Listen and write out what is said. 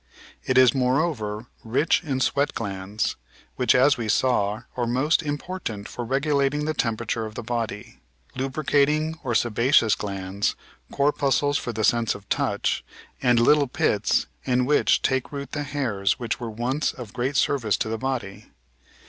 It is, moreover, rich in sweat glands (which, as we saw, are most im portant for regulating the temperature of the body), lubricating or sebaceous glands, corpuscles for the sense of touch, and little pits in which take root the hairs which were once of great service to the body.